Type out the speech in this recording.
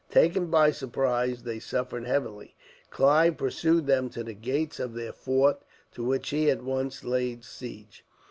Taken by surprise, they suffered heavily. Clive pursued them to the gates of their fort, to which he at once laid siege.